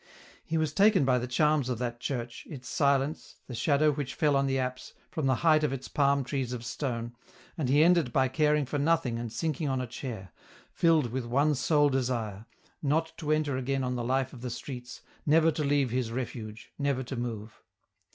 He was taken by the charms of that church, its silence, the shadow which fell on the apse, from the height of its palm trees of stone, and he ended by caring for nothing and sinking on a chair, filled with one sole desire, not to enter again on the life of the streets, never to leave his refuge, never to move.